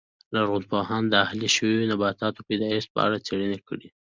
لرغونپوهانو د اهلي شویو نباتاتو پیدایښت په اړه څېړنې کړې